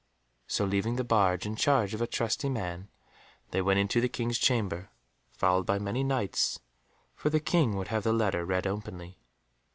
So leaving the barge in charge of a trusty man, they went into the King's chamber, followed by many Knights, for the King would have the letter read openly.